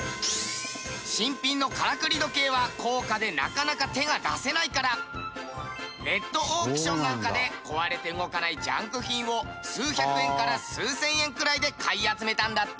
新品のからくり時計は高価でなかなか手が出せないからネットオークションなんかで壊れて動かないジャンク品を数百円から数千円くらいで買い集めたんだって。